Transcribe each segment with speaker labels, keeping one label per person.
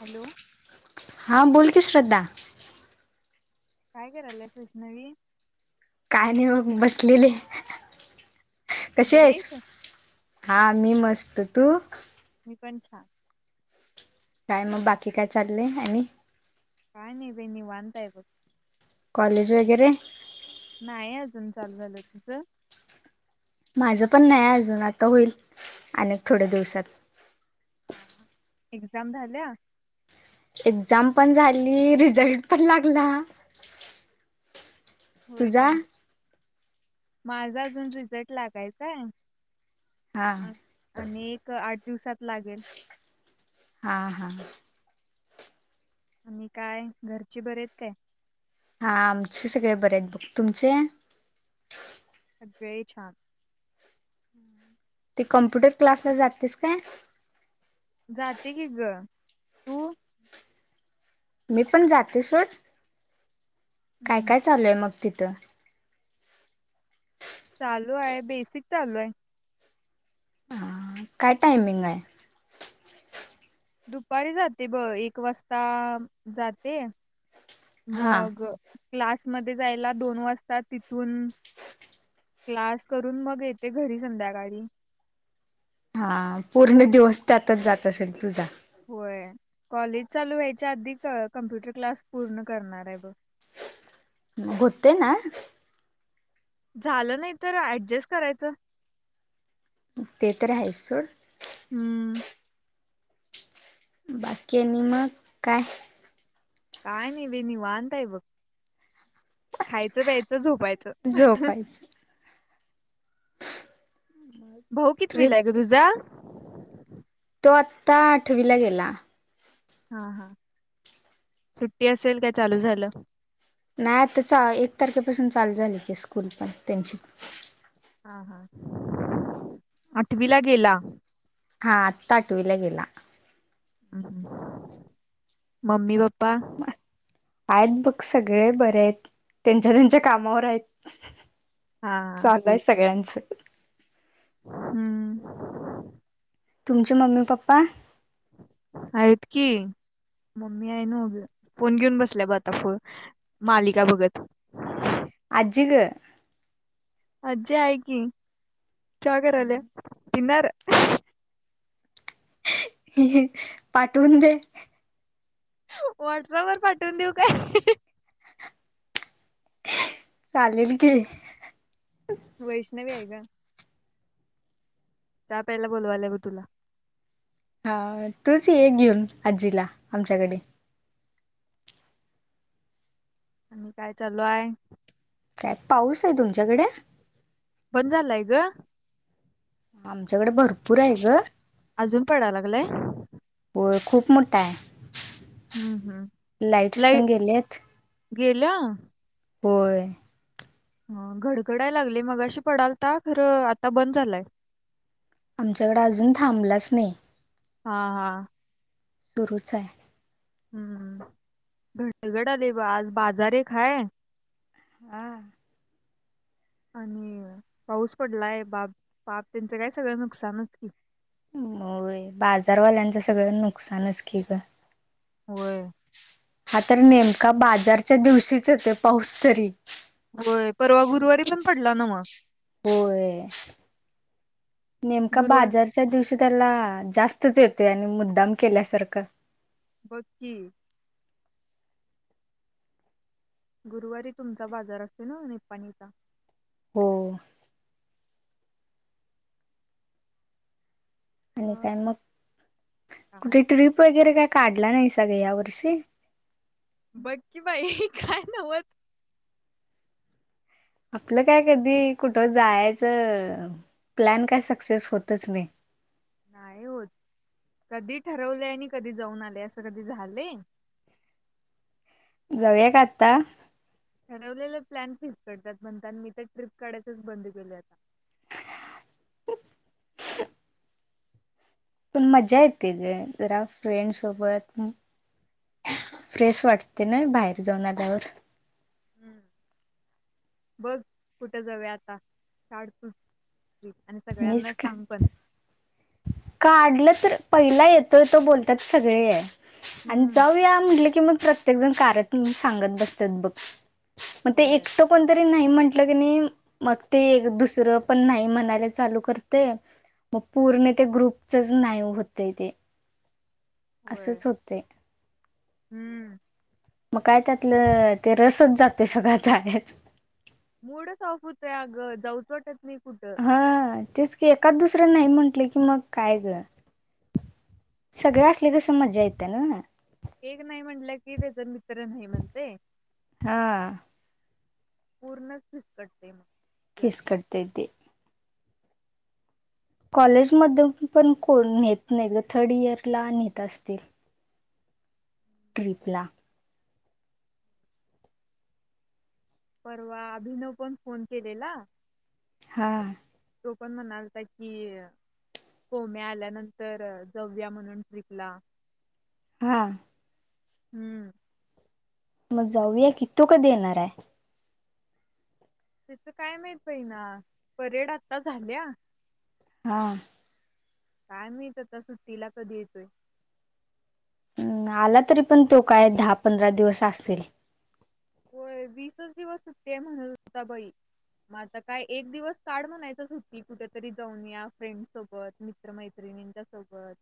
Speaker 1: Hello.
Speaker 2: हा बोल की श्रद्धा.
Speaker 1: काय करायलास वैष्णवी.
Speaker 2: काय नाय ओ बसलेली.
Speaker 1: बरी येसं.
Speaker 2: हा मी मस्त, तू.
Speaker 1: मी पण छान.
Speaker 2: काय मग बाकी काय चाललंय आणि
Speaker 1: काय नाय बई निवांत हाय बघ.
Speaker 2: कॉलेज वगैरे.
Speaker 1: नाही अजून चालू झालं, तुझं.
Speaker 2: माझं पण नाही अजून आता होईल. अनिक थोड्या दिवसात.
Speaker 1: हा हा एक्झाम झाल्या
Speaker 2: एक्झाम पण झाली रिझल्ट पण लागला.
Speaker 1: होय
Speaker 2: तुझा
Speaker 1: काय. माझा अजून रिझल्ट लागायचाय
Speaker 2: हा
Speaker 1: अ आणिक आठ दिवसात लागेल
Speaker 2: हा हा
Speaker 1: आणि काय घरचे बरेत काय.
Speaker 2: हा आमचे सगळे बरेयेत बघ तुमचे
Speaker 1: सगळे छान
Speaker 2: ते कम्प्युटर क्लासला जातीस काय?
Speaker 1: जाते की ग तू?
Speaker 2: मी पण जाते सोड. काय
Speaker 1: हम्म
Speaker 2: काय चालूय मग? तिथं.
Speaker 1: चालू आहे बेसिक चालू आहे.
Speaker 2: हा काय टायमिंग हाय.
Speaker 1: दुपारी जाते ब एक वाजता जाते
Speaker 2: हा
Speaker 1: मग क्लासमध्ये जायला दोन वाजता तिथून क्लास करून मग येते घरी संध्याकाळी.
Speaker 2: हा पूर्ण दिवस त्यातच जात असेल तुझा.
Speaker 1: होय कॉलेज चालू व्हायच्या आधी कमप्युटर क्लास पूर्ण करणार आहे ब.
Speaker 2: होतय ना.
Speaker 1: झालं नाही तर ऍडजस्ट करायचं.
Speaker 2: ते तर आहेच सोड.
Speaker 1: हम्म.
Speaker 2: बाकी आणि मग काय?
Speaker 1: काय नाही बाई नीवांत हाय बघ. खायचं प्यायचं झोप मायत [unintelligible]
Speaker 2: झोपायचं
Speaker 1: भाऊ
Speaker 2: ट्रिप
Speaker 1: कितीविला आहे ग तुझा.
Speaker 2: तो आत्ता आठवीला गेला‌.
Speaker 1: हा हा सुट्टी असेल काय चालू झालं.
Speaker 2: नाही आता एक तारखेपासून चालू झाली की स्कूल पण त्यांची
Speaker 1: हा हा आठवीला गेला.
Speaker 2: हा आता आठविला गेला.
Speaker 1: हम् ह् मम्मी प्पा
Speaker 2: आहेत बघ सगळे बरे आहेत त्यांच्या त्यांच्या कामावर आहेत.
Speaker 1: हा
Speaker 2: चालू हाय सगळ्यांचं. [inaudible]
Speaker 1: हम्म.
Speaker 2: तुमचे मम्मी पप्पा?
Speaker 1: आहेत की मम्मी आहे नव ग फोन घेऊन बसल्या ब आता मालिका बघत.
Speaker 2: आज्जी ग‌?
Speaker 1: आज्जी आहे की. च्या करालिया. पिनार.
Speaker 2: पाठवून दे.
Speaker 1: व्हॉट्सअप वर पाठवून देऊ काय.
Speaker 2: चालेल की.
Speaker 1: वैष्णवी आहे का. च्या प्यायला बोलवालीया ब तुला.
Speaker 2: हा तूच ये घेऊन आजीला आमच्याकडे.
Speaker 1: आणि काय चालू आहेय.
Speaker 2: काय पाऊस आहे तुमच्याकडे.
Speaker 1: बंद झालाय ग.
Speaker 2: आम तच्याकडे भरपूर आहे ग.
Speaker 1: पडा लागला.
Speaker 2: हो खूप मोठा.
Speaker 1: हम्म
Speaker 2: लाईट्स पण गेलेत.
Speaker 1: गेला.
Speaker 2: होय.
Speaker 1: ह घडघडाय लागलय मगाशी पडालता खर आता बंद झालाय.
Speaker 2: आमच्याकडें अजून थांबलाच नाही.
Speaker 1: हा हा.
Speaker 2: सुरूच आहे.
Speaker 1: हम्म गडगड ब आज बाजार एका हाय.
Speaker 2: आ
Speaker 1: आणि पाऊस पडलाय, पाप, पाप त्यांचं काय सगळं नुकसानच कि,
Speaker 2: होय बाजारवाल्यांचं सगळं नुकसानच के ग.
Speaker 1: होय
Speaker 2: हा तर नेमका बाजारच्या दिवशीच हो ते पाऊस तरी
Speaker 1: होय परवा गुरुवारी पण पडला नाव.
Speaker 2: होय नेमका
Speaker 1: गुरुवार
Speaker 2: बाजारच्या दिवशी त्याला जास्तच येतो, आणि मुद्दाम केल्यासारखं.
Speaker 1: बकी. गुरुवारी तुमचा बाजार असेल ना, निपणीचा
Speaker 2: हो. आणि काय मग
Speaker 1: काय
Speaker 2: कुठे टिप वगैरे काय. काढला नाही सगळं या वर्षी.
Speaker 1: बक्की बाई काय नवत.
Speaker 2: आपलं काय कधी कुठं जायचं प्लॅन काय सक्सेस होतच नाही.
Speaker 1: नाही होत कधी ठरवलं, आणि कधी जाऊन आले असं कधी झालंय.
Speaker 2: जऊय का आता.
Speaker 1: ठरवलेलं प्लॅन फिक्सकटतात, म्हणताना, मी तर ट्रिप काढायचच बंद केल आता.
Speaker 2: [unintelligible] पण मज्जा येते, ग जरा फ्रेंड सोबत फ्रेश वाटते ना बाहेर जाऊन आल्यावर.
Speaker 1: हम् बघ कुठे जाऊ आता काड तूच. आणि
Speaker 2: मीच
Speaker 1: सगळ्यांना
Speaker 2: का
Speaker 1: सांग पण
Speaker 2: काढलं तर पहिला येतोय तो बोलतात सगळे आणि
Speaker 1: हम्म
Speaker 2: जाऊया म्हटलं की मग प्रत्येक जण कार सांगत बसत बघ मग ते
Speaker 1: होय
Speaker 2: एकट कोणतरी नाही, म्हंटलं की नाही मग ते दुसर पण नाही म्हणायला चालू करते मग पूर्ण त्या ग्रुपचच नाही होतय ते
Speaker 1: होय
Speaker 2: असेच होतय
Speaker 1: हम्म
Speaker 2: मग काय त्यातलं ते रसच जातोय सगळा जायाचा
Speaker 1: मूडच ऑफ होतोय अगं जाऊच वाटत नाही कुठं
Speaker 2: हा तेच की एकात दुसऱ्या नाही म्हंटलं की मग काय ग सगळे असले की कस मज्जा येतीया नव्ह
Speaker 1: एक नाही म्हटलं कि त्याचा मित्र नाही म्हणतय
Speaker 2: हा
Speaker 1: पूर्णच विस्कटतय मग
Speaker 2: फीसकटतय ते कॉलेज मध्ये पण कोण नेत नाही थर्ड इयर ला नेत असतील ट्रिपला
Speaker 1: परवा अभिनव पण फोन केलेला
Speaker 2: हा
Speaker 1: तो पण म्हणालता कि? कोम्यी आल्यानंतर जावूया म्हणून ट्रिपला
Speaker 2: हा
Speaker 1: हम्म
Speaker 2: मग जाऊया की तो कधी येणार आहे
Speaker 1: तेचं काय माहित बाईंना परेड आता झाल्या
Speaker 2: हा
Speaker 1: काय माहित आता सुट्टीला कधी येतोय?
Speaker 2: हम्म आला तरी पण तो काय दहा पंधरा दिवस असेल
Speaker 1: होय वीसच दिवस सुट्टी हाय म्हणालता. बाई मग आता काय एक दिवस काड म्हणायचं सुट्टी कुठेतरी जाऊन या फ्रेंड सोबत मित्र मैत्रिणींच्या सोबत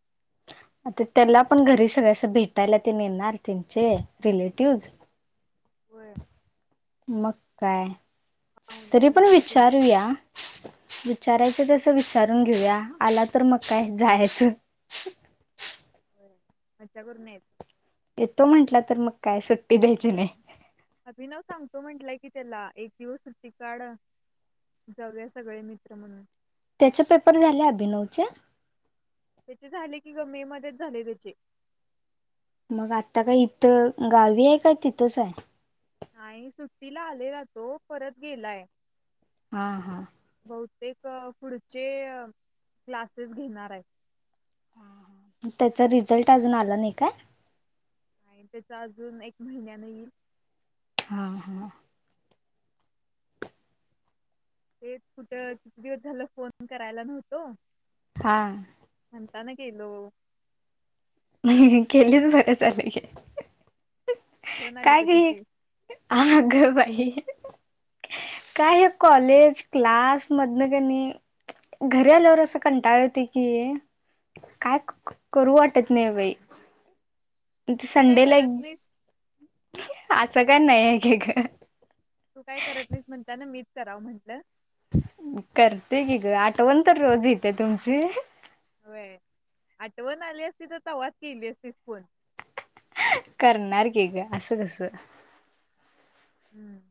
Speaker 2: आता त्याला पण घरी सगळं अस भेटायला ते येणार त्यांचे रिलेटिव्ह
Speaker 1: होय
Speaker 2: मग काय?
Speaker 1: पाहुणे
Speaker 2: तरी पण
Speaker 1: येणार की त्यांची
Speaker 2: विचारूया विचारायच तस विचारून घेऊया आला तर मग काय जायचं
Speaker 1: मज्जा करून यायच
Speaker 2: येतो म्हंटला तर मग काय सुट्टी द्यायची नाही
Speaker 1: अभिनव सांगतो म्हंटलाय की त्याला एक दिवस सुट्टी काढ जाऊया सगळे मित्र म्हणून
Speaker 2: त्याचे पेपर झाले अभिनवचे
Speaker 1: त्याचे झाले की ग मे मध्येच झाले त्याचे
Speaker 2: मग आता काय इथं गावी आहे काय तिथंच हाय?
Speaker 1: नाही सुट्टीला आलेला तो परत गेलाय
Speaker 2: हा, हा
Speaker 1: बहतेक पुढचे क्लासेस घेणार आहेत
Speaker 2: त्याचा रिझल्ट अजून आला नाही काय?
Speaker 1: आणि त्याच अजून एक महिन्यान येईल
Speaker 2: हा, हा
Speaker 1: ते कुठं किती दिवस झालं फोन करायला नव्हतो
Speaker 2: हा.
Speaker 1: म्हणता न गेलो
Speaker 2: गेलीस बर झाल घे.
Speaker 1: आठवण आली
Speaker 2: काय ग हे
Speaker 1: तुझी
Speaker 2: आग बाई काय हे कॉलेज क्लास मधन कनी घरी आल्यावर असं कंटाळ येतोय की काय करू वाट वाटत नाही बाई ते
Speaker 1: तू काय
Speaker 2: संडे ला
Speaker 1: करत नाहीस
Speaker 2: एक असं काय नाही हाय का
Speaker 1: राव म्हटलं
Speaker 2: करते की ग आठवण तर रोज येते तुमची
Speaker 1: वय आठवण आली असती तर तवच केली असतीस पण
Speaker 2: करणार की का असं कस
Speaker 1: हम्म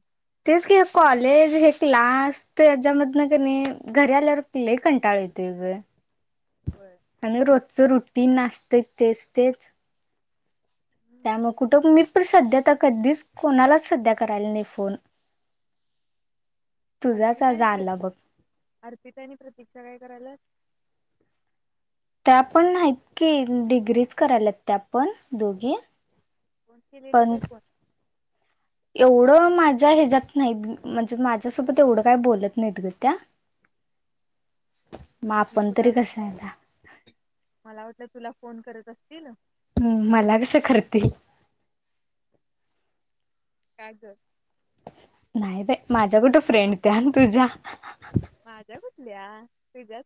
Speaker 2: तेच की कॉलेज हे क्लास त्याच्यामधन क नाही घरी आल्यावरले कंटाळ यते
Speaker 1: होय
Speaker 2: हंग रोत च रुटीन नासतं तेच तेच
Speaker 1: हम्म.
Speaker 2: त्यामुळे कुठं मी प सध्या तर कधीच कोणालाच सध्या करायला नाही फोन तुझाच आज
Speaker 1: अर्पितानी प्र
Speaker 2: आला बघ
Speaker 1: अर्पिितनी प्रतीक्षा काय करायला
Speaker 2: त्या आपण नाहीत की डिग्रीच करायला त्या आपण दोघी
Speaker 1: कोण केलेले
Speaker 2: पण
Speaker 1: काय कोण
Speaker 2: एवढं माझ्या ह्याच्यात नाहीत म्हणजे माझ्यासोबत एवढं काय बोलत नाहीत ग त्या मग
Speaker 1: म्हटलं
Speaker 2: आपण तरी
Speaker 1: तुला
Speaker 2: कस आहेला
Speaker 1: मला वाटलं तुला फोन करत असतील
Speaker 2: हम् मला कसं कररते
Speaker 1: काॅगल
Speaker 2: नाही बा माझ्या कुठे फ्रेंड त्या ना तुझ्या
Speaker 1: माझ्या कुठल्या तझ्या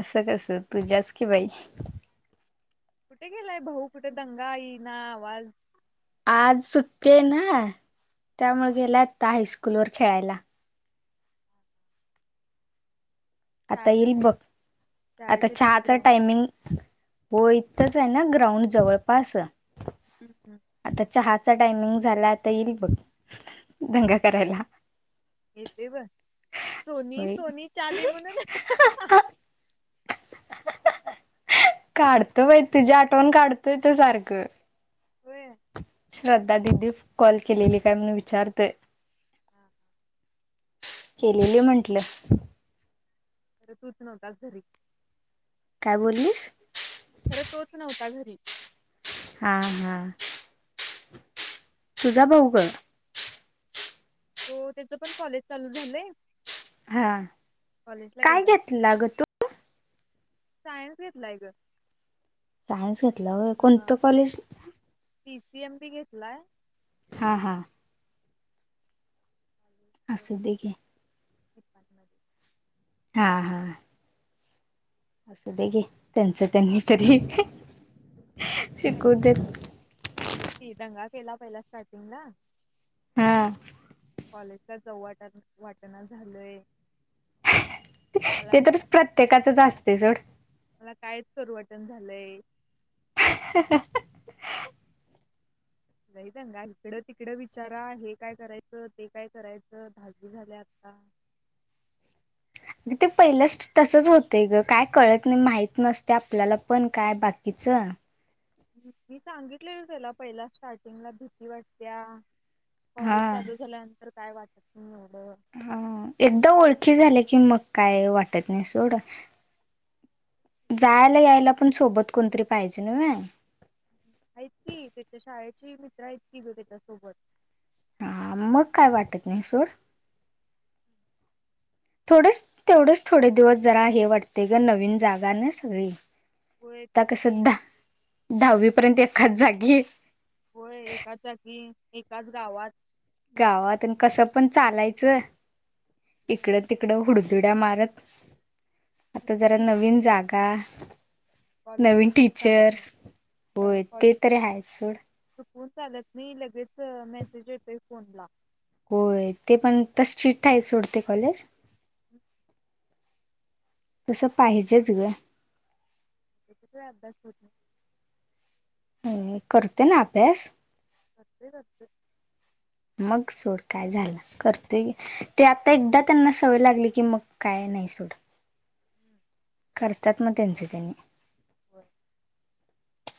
Speaker 2: असं कस तुझ्यास की बाई
Speaker 1: कुठे गेलाय भाऊ कुठे दंगा आईना आवाज
Speaker 2: आज सुटे ना त्यामुळे गेल्यायताास स्कूल वर खेळायला आता येईल
Speaker 1: शाळेचे
Speaker 2: बघ आता
Speaker 1: शाळेचे तिथं
Speaker 2: चहाचा
Speaker 1: ग्राउंड आहे
Speaker 2: टायमिंग होय तस आहे ना ग्राउंड जवळपास
Speaker 1: हम्म हम्म
Speaker 2: आता चहाचा टायमिंग झाला आता येईल बघ दंगा करायला
Speaker 1: येते ब सोनी
Speaker 2: होय
Speaker 1: सोनी चादी म्हणून
Speaker 2: काढत बाय तुझे आठवण काढत येत सारखं
Speaker 1: होय
Speaker 2: श्रद्धा दिदी कॉल केलेली काय म्हण विचारतोय
Speaker 1: हा हा
Speaker 2: केलेली म्हंटलं
Speaker 1: मर तू सना दसरी
Speaker 2: काय बोललीस
Speaker 1: तगरी
Speaker 2: हा हा तुझा भाऊ ग
Speaker 1: त त्याच पण कॉलेज चालू झालंय
Speaker 2: हा
Speaker 1: कॉलेजला
Speaker 2: काय
Speaker 1: गेलाय
Speaker 2: घेतलं ग तू
Speaker 1: सायन्स घेतलाय ग
Speaker 2: सायन्स घेतला कोणतं कॉलेज
Speaker 1: सीएम बी घेतलाय
Speaker 2: हा हा अससतेे
Speaker 1: हे
Speaker 2: हा हा असं दे घे त्यांचं त्यांनी तरी शिकू देत
Speaker 1: ु ती दंगा केला पहिला स्टार्टिंगला
Speaker 2: हा
Speaker 1: कॉलेजचा चवट वाटण झालंय मला
Speaker 2: ते तरच प्रत्येकाच जास्त तेसड
Speaker 1: मला कायच करवटन झालंय
Speaker 2: ह
Speaker 1: नाहींगा इकड तिकडं विचारा हे काय करायचं ते काय करायचं धागे झाले आता
Speaker 2: ते पहिलंच तसच होत ग काय कळत नाही माहत नसते आपल्याला पण काय बाकीच
Speaker 1: मी सांगितलेल त्याला पहिला स्टार्टिंगला भीती वाटते्या कॉलेज
Speaker 2: हा
Speaker 1: चालू झाल्यानंतर काय वाटत एवढं.
Speaker 2: हा एकदाम ओळखी झाले की मग काय वाटत नाही सोड जायला यायला पण सोबत कोणतरी पाहिजे न
Speaker 1: आहेत कि त्याच्या शाळेचे मित्र आहेत कि ब त्याच्या सोबत
Speaker 2: हा मग काय वाटत नाही सोड थोडस तेवढच थोडे दिवस जरा हे वाटते ग नवीन जागा नाही सगळी
Speaker 1: होय
Speaker 2: त्या
Speaker 1: तेच
Speaker 2: कस
Speaker 1: की
Speaker 2: दहा दहावी पर्यंत एखाच जागे गी
Speaker 1: होय एकाचा की एकाच गावात
Speaker 2: गावातून कसं पण चालायचं इकडं तिकडं हुडच दुड्या मारत आता
Speaker 1: खरंच
Speaker 2: जरा
Speaker 1: की
Speaker 2: नवीन जागा [inaudible]
Speaker 1: कॉलेज
Speaker 2: नवीन
Speaker 1: चुकवून चालत नाही
Speaker 2: टीचर्स होय ते तरी आहे सोड
Speaker 1: हचालत नाही लगे च मेसेज येतायत. फोन लाव.
Speaker 2: होय ते पण तस चिठ्ठ्या आहे सोडते कॉलेज
Speaker 1: [inaudible]
Speaker 2: तस पाहिजेच ग.
Speaker 1: लय अभ्यास होतो.
Speaker 2: अ करते ना अभ्यास
Speaker 1: [unintelligible]
Speaker 2: मग सोड काय झाल करतय ते आता एकदा त्यांना सवय लागली की मग काय नाही सोड
Speaker 1: [inaudible]
Speaker 2: करतात ना त्यांच त्यांनी
Speaker 1: [inaudible]